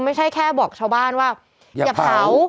ไม่ใช่แค่บอกชาวบ้านว่าอย่าเผา